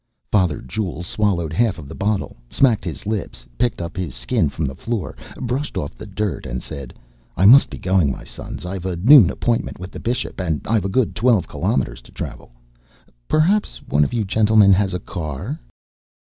Father Jules swallowed half of the bottle, smacked his lips, picked up his Skin from the floor, brushed off the dirt and said, "I must be going, my sons. I've a noon appointment with the bishop, and I've a good twelve kilometers to travel. Perhaps one of you gentlemen has a car?"